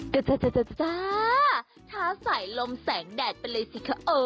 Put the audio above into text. โปรดติดตามตอนต่อไป